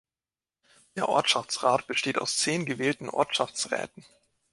Der Ortschaftsrat besteht aus zehn gewählten Ortschaftsräten.